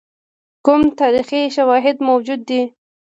کوم تاریخي شواهد موجود دي.